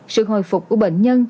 sự hồi phục của bệnh nhân